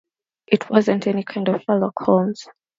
I wasn’t any kind of Sherlock Holmes.